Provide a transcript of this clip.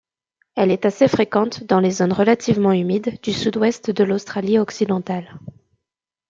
Elle est assez fréquente dans les zones relativement humides du sud-ouest de l'Australie-Occidentale.